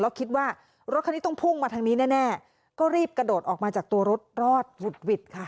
แล้วคิดว่ารถคันนี้ต้องพุ่งมาทางนี้แน่ก็รีบกระโดดออกมาจากตัวรถรอดหวุดหวิดค่ะ